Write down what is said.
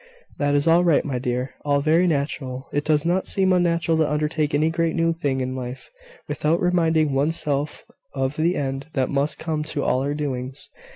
"That is all right, my dear: all very natural. It does not seem natural to undertake any great new thing in life, without reminding one's self of the end that must come to all our doings.